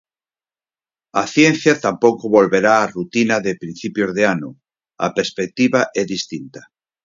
A ciencia tampouco volverá á rutina de principios de ano, a perspectiva é distinta.